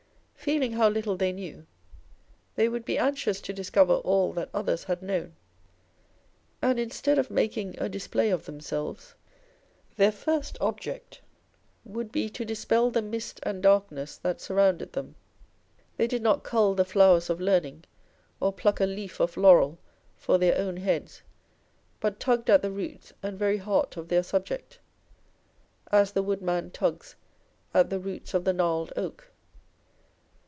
Feeling how little they knew, they would be anxious to discover all that others had known, and instead of making a display of themselves, their first object would be to dispel the mist and darkness that surrounded them. They did not cull the flowers of learning, or pluck a leaf of laurel for their own heads, but tugged at the roots and very heart of their subject, as the woodman tugs at the roots of the gnarled I oak.